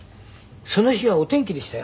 その日はお天気でしたよ